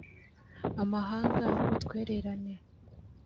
amahanga n ubutwererane